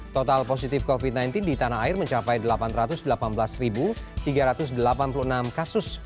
total positif covid sembilan belas di tanah air mencapai delapan ratus delapan belas tiga ratus delapan puluh enam kasus